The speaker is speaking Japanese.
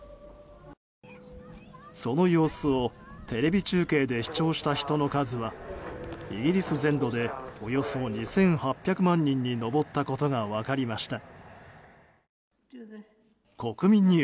その様子をテレビ中継で視聴した人の数はイギリス全土でおよそ２８００万人に上ったことが分かりました。